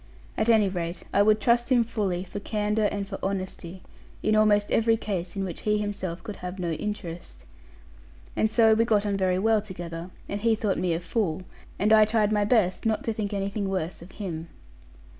At any rate, I would trust him fully, for candour and for honesty, in almost every case in which he himself could have no interest. And so we got on very well together; and he thought me a fool; and I tried my best not to think anything worse of him.